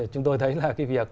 chúng tôi thấy là cái việc